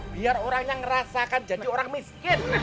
biar orangnya ngerasakan jadi orang miskin